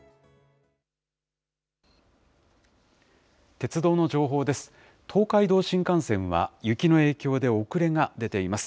鉄道の情報です。